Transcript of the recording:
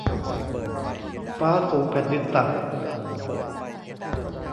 ฟ้าสูงแผ่นดินต่ำ